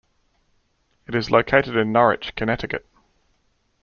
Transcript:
It is located in Norwich, Connecticut.